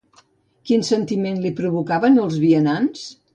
Quin sentiment li provocaven els vianants?